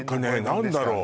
何だろう